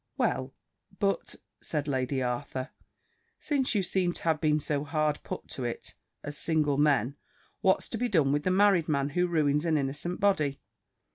"Well, but," said Lady Arthur, "since you seem to have been so hard put to it, as single men, what's to be done with the married man who ruins an innocent body?